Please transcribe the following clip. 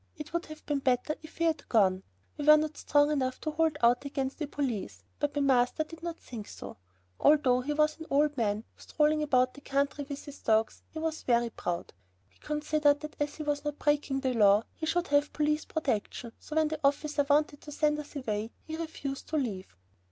It would have been better if we had gone. We were not strong enough to hold out against the police, but my master did not think so. Although he was an old man, strolling about the country with his dogs, he was very proud. He considered that as he was not breaking the law, he should have police protection, so when the officer wanted to send us away, he refused to leave.